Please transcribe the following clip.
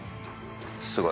すごい。